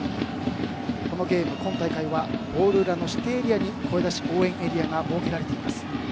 このゲーム、今大会はゴール裏の指定エリアに声出し応援エリアが設けられています。